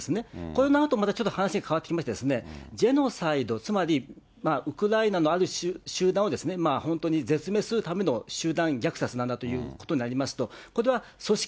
こうなるとまた話が変わってきましてですね、ジェノサイド、つまりウクライナのある集団を本当に絶滅するための集団虐殺なんだということになりますと、これは組織